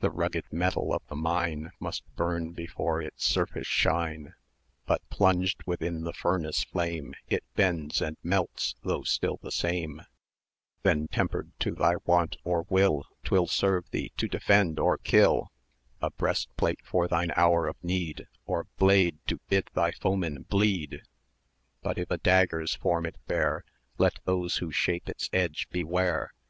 The rugged metal of the mine Must burn before its surface shine,[dz] But plunged within the furnace flame, It bends and melts though still the same; Then tempered to thy want, or will, 'Twill serve thee to defend or kill A breast plate for thine hour of need, Or blade to bid thy foeman bleed; But if a dagger's form it bear, 930 Let those who shape its edge, beware!